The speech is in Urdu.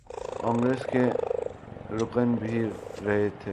انگریس کے رکن بھی رہے تھے